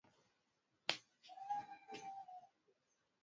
Chini ya asilimia kumi ya wanyama hufa